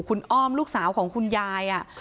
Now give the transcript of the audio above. คุณอ้อมลูกสาวของคุณยาย